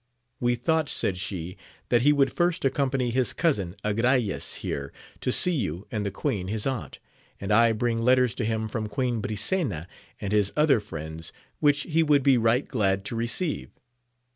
We thought, said she, that he would first accompany his cousin Agrayes here, to see you and the queen his aunt ; and I bring letters to him from Queen Brisena and his other friends, which he would be right glad to receive.